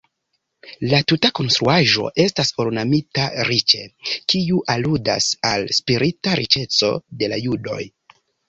La tuta konstruaĵo estas ornamita riĉe, kiu aludas al spirita riĉeco de la judoj.